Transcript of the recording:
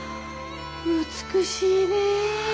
美しいね。